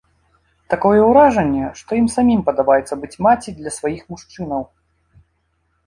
Такое ўражанне, што ім самім падабаецца быць маці для сваіх мужчынаў.